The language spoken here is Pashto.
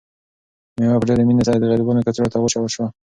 مېوه په ډېرې مینې سره د غریبانو کڅوړو ته واچول شوه.